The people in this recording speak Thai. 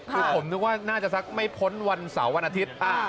คือผมนึกว่าน่าจะสักไม่พ้นวันเสาร์วันอาทิตย์